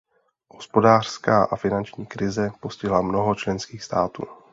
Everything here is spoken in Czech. Hospodářská a finanční krize postihla mnoho členských států.